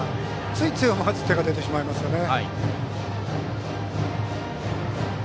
ついつい思わず手が出てしまいますね。